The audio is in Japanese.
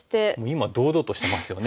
今堂々としてますよね。